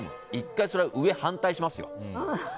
１回、それは上は反対しますよ。